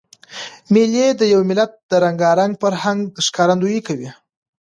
مېلې د یو ملت د رنګارنګ فرهنګ ښکارندویي کوي.